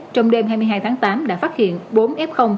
trong đêm hai mươi hai tháng tám đã phát hiện bốn f